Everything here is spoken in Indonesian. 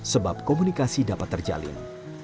sebab komunikasi dapat terjalin